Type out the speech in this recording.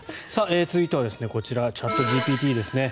続いてはこちらチャットＧＰＴですね。